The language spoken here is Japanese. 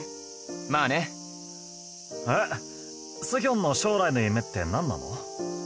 まあねえっスヒョンの将来の夢って何なの？